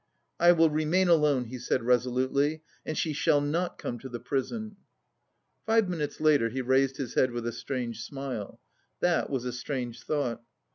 "I will remain alone," he said resolutely, "and she shall not come to the prison!" Five minutes later he raised his head with a strange smile. That was a strange thought.